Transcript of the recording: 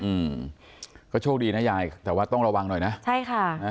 อืมก็โชคดีนะยายแต่ว่าต้องระวังหน่อยนะใช่ค่ะนะ